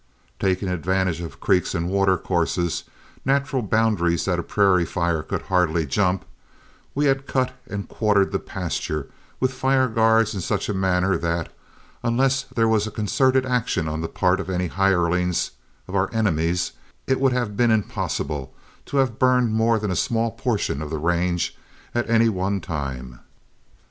Taking advantage of creeks and watercourses, natural boundaries that a prairie fire could hardly jump, we had cut and quartered the pasture with fire guards in such a manner that, unless there was a concerted action on the part of any hirelings of our enemies, it would have been impossible to have burned more than a small portion of the range at any one time.